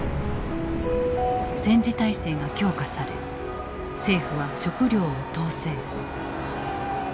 戦時体制が強化され政府は食糧を統制。